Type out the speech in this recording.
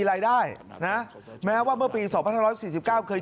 หวังมาก